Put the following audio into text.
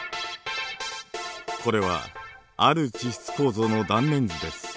これはある地質構造の断面図です。